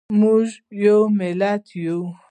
موږ یو ملت یو